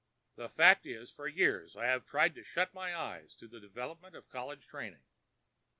The fact is, for years I have tried to shut my eyes to the development of college training.